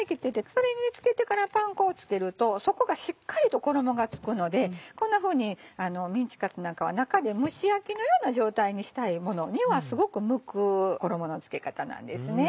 それに付けてからパン粉を付けるとそこがしっかりと衣が付くのでこんなふうにメンチカツなんかは中で蒸し焼きのような状態にしたいものにはすごく向く衣の付け方なんです。